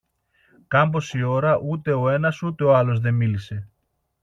Κάμποση ώρα ούτε ο ένας ούτε ο άλλος δε μίλησε.